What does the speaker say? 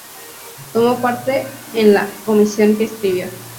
Tomó parte en la comisión que escribió la Declaración Universal de los Derechos Humanos.